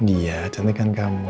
iya cantik kan aku